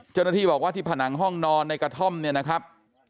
เจ้าหน้าที่บอกว่าที่ผนังห้องนอนในกระท่อมเนี่ยนะครับ